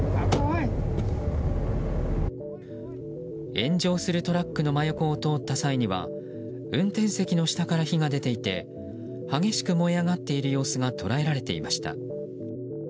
炎上するトラックの真横を通った際には運転席の下から火が出ていて激しく燃え上がっている様子が捉えられていました。